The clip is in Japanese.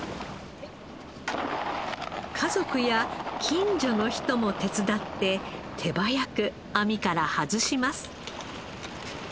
家族や近所の人も手伝って手早く網から外します。